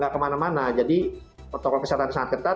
kemana mana jadi protokol kesehatan sangat ketat